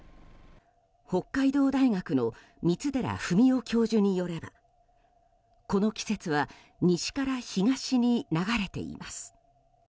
北海道大学の三寺史夫教授によればこの季節は西から東に流れています。